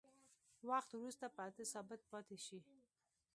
وخت وروسته په اته ثابت پاتې شي.